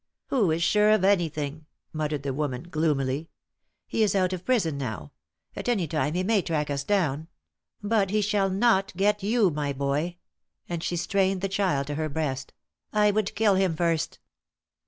"Who is sure of anything?" muttered the woman, gloomily. "He is out of prison now; at any time he may track us down. But he shall not I get you, my boy," and she strained the child to her breast. "I would kill him first!"